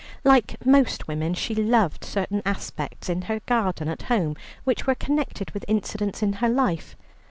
Like most women she loved certain aspects in her garden at home, which were connected with incidents in her life.